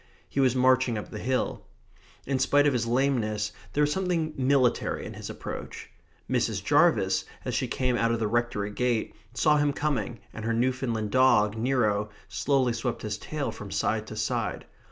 He was marching up the hill. In spite of his lameness there was something military in his approach. Mrs. Jarvis, as she came out of the Rectory gate, saw him coming, and her Newfoundland dog, Nero, slowly swept his tail from side to side.